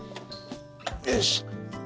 よし！